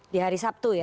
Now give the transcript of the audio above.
di hari sabtu ya